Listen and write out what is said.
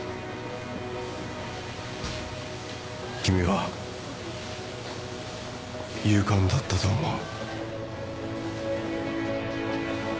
君は勇敢だったと思う。